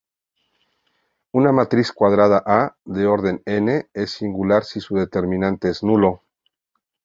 Una matriz cuadrada "A" de orden "n" es singular si su determinante es nulo.